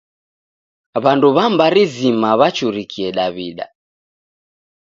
W'andu w'a mbari zima w'achurikie Daw'ida.